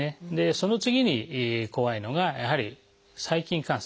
その次に怖いのがやはり細菌感染。